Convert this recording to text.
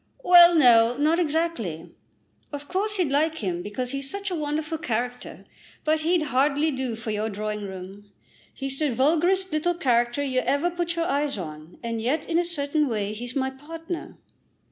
"Well, no; not exactly. Of course you'd like him because he is such a wonderful character, but he'd hardly do for your drawing room. He's the vulgarest little creature you ever put your eyes on; and yet in a certain way he's my partner."